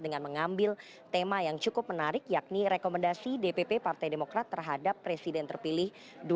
dengan mengambil tema yang cukup menarik yakni rekomendasi dpp partai demokrat terhadap presiden terpilih dua ribu sembilan belas